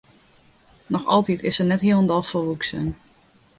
Noch altyd is se net hielendal folwoeksen.